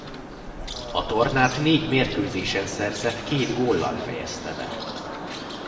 A tornát négy mérkőzésen szerzett két góllal fejezte be.